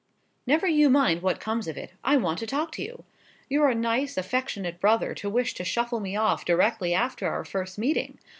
"Never you mind what comes of it. I want to talk to you. You're a nice affectionate brother to wish to shuffle me off directly after our first meeting.